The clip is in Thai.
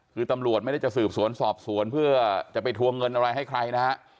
คือตำรวจไม่ได้จะสืบสวนสอบสวนเพื่อจะไปทวงเงินอะไรให้ใครนะฮะ